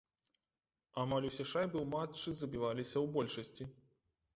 Амаль усе шайбы ў матчы забіваліся ў большасці.